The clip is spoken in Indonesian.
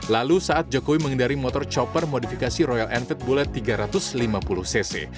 lalu saat jokowi mengendari motor chopper modifikasi royal enfit bulet tiga ratus lima puluh cc